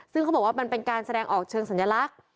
ซึ่งเขาบอกว่ามันเป็นการแสดงออกเชิงสัญลักษณ์